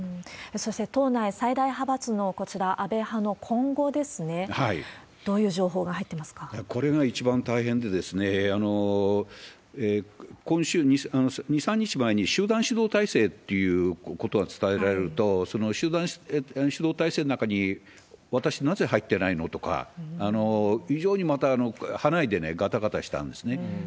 そして、党内最大派閥の、こちら、安倍派の今後ですね、これが一番大変で、今週、２、３日前に集団指導体制っていうことが伝えられると、その集団指導体制の中に、私、なぜ入ってないの？とか、非常にまた派内でがたがたしたんですね。